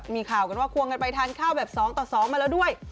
มีข่าวกันว่าควงกันไปทานข้าวแบบ๒ต่อ๒มาแล้วด้วย